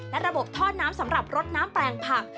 และระบบท่อน้ำสำหรับรดน้ำแปลงผัก